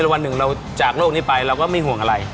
วันหนึ่งเราจากโลกนี้ไปเราก็ไม่ห่วงอะไร